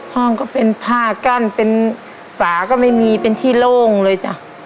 ห้องก็เป็นผ้ากั้นเป็นฝาก็ไม่มีเป็นที่โล่งเลยจ้ะ